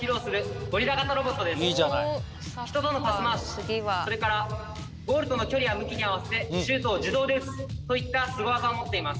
人とのパス回しそれからゴールとの距離や向きに合わせてシュートを自動で打つといったすごワザを持っています。